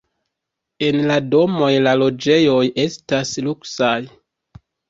En la domoj la loĝejoj estas luksaj.